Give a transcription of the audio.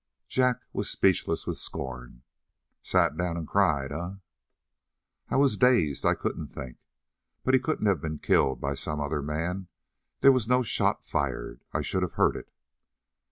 Jack was speechless with scorn. "Sat down and cried, eh?" "I was dazed; I couldn't think. But he couldn't have been killed by some other man. There was no shot fired; I should have heard it."